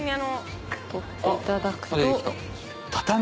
取っていただくと。